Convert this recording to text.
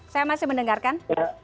saya masih mendengarkan